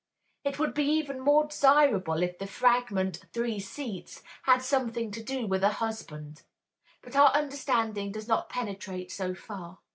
It would be even more desirable if the fragment "3 seats" had something to do with a husband. But our understanding does not penetrate so far.